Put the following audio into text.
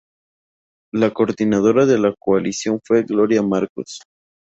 La coordinadora de la coalición fue Glòria Marcos.